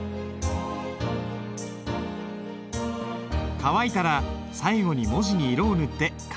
乾いたら最後に文字に色を塗って完成だ。